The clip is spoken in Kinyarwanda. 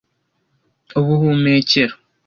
ubuhumekero